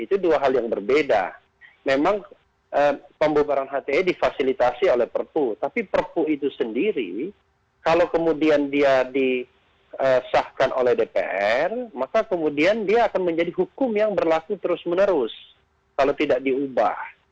itu dua hal yang berbeda memang pembubaran hti difasilitasi oleh perpu tapi perpu itu sendiri kalau kemudian dia disahkan oleh dpr maka kemudian dia akan menjadi hukum yang berlaku terus menerus kalau tidak diubah